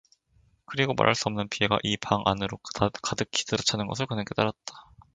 그리고 말할 수 없는 비애가 이 방 안으로 가득히 들어차는 것을 그는 깨달았다.